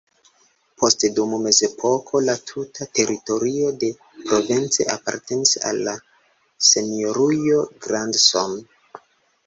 Poste dum mezepoko la tuta teritorio de Provence apartenis al la Senjorujo Grandson.